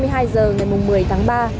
hai mươi hai h ngày một mươi tháng ba